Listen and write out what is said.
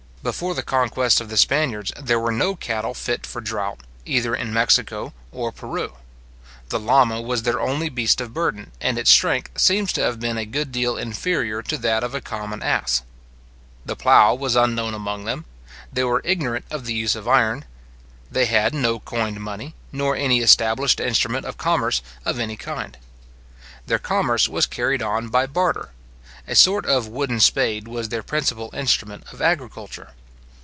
Before the conquest of the Spaniards, there were no cattle fit for draught, either in Mexico or Peru. The lama was their only beast of burden, and its strength seems to have been a good deal inferior to that of a common ass. The plough was unknown among them. They were ignorant of the use of iron. They had no coined money, nor any established instrument of commerce of any kind. Their commerce was carried on by barter. A sort of wooden spade was their principal instrument of agriculture.